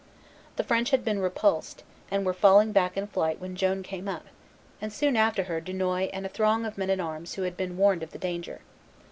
The French had been repulsed, and were falling back in flight when Joan came up, and soon after her Dunois and a throng of men at arms who had been warned of the danger.